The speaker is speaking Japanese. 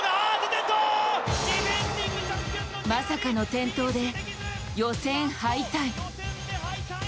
まさかの転倒で予選敗退。